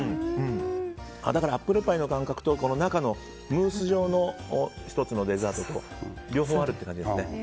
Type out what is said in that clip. だから、アップルパイの感覚と中のムース状の１つのデザートと両方あるって感じですね。